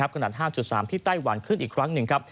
ขนาด๕๓ที่ไต้หวันขึ้นอีกครั้งหนึ่งครับ